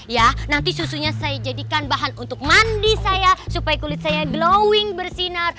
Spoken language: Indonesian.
ya nanti susunya saya jadikan bahan untuk mandi saya supaya kulit saya glowing bersinar